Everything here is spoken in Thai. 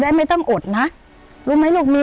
และป้าต้องเสียดอกวันละ๖๐๐ค่ะ